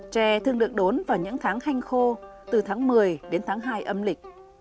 tre thường được đốn vào những tháng khanh khô từ tháng một mươi đến tháng hai âm lịch